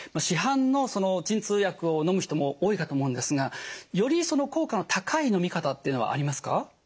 市販の鎮痛薬をのむ人も多いかと思うんですがより効果の高いのみ方っていうのはありますか？